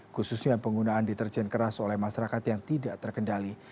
khususnya penggunaan deterjen keras oleh masyarakat yang tidak terkendali